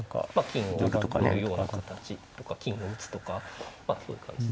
金を寄るような形とか金を打つとかまあそういう感じで。